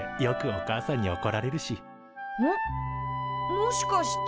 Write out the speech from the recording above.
もしかして。